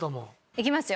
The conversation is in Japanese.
いきますよ。